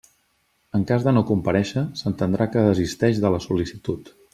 En cas de no comparèixer, s'entendrà que desisteix de la sol·licitud.